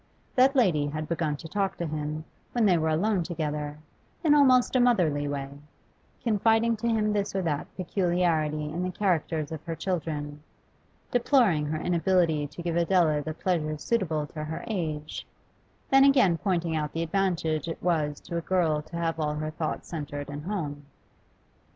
That lady had begun to talk to him, when they were alone together, in almost a motherly way, confiding to him this or that peculiarity in the characters of her children, deploring her inability to give Adela the pleasures suitable to her age, then again pointing out the advantage it was to a girl to have all her thoughts centred in home.